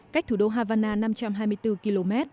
cách thủ đô havana năm trăm hai mươi bốn km